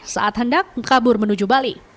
saat hendak kabur menuju bali